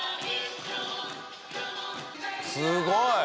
すごい！